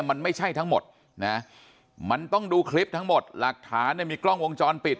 มันไม่ใช่ทั้งหมดนะมันต้องดูคลิปทั้งหมดหลักฐานเนี่ยมีกล้องวงจรปิด